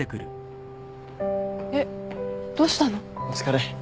お疲れ。